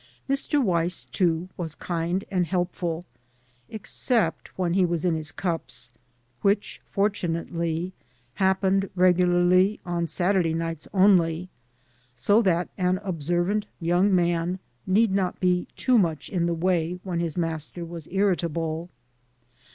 Mr. Weiss, too, was kind and helpful, except when he was in his cups, which, fortunately, happened regularly on Saturday nights only, so that an observant young man need not be too much in the way when his master was irritable.